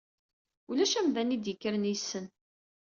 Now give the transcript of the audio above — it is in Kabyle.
Ulac amdan id-yekkren yessen.